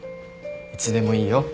いつでもいいよ。